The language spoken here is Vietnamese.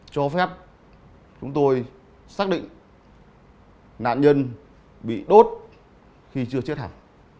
cho phép chúng tôi xác định nạn nhân bị đốt khi chưa chết hẳn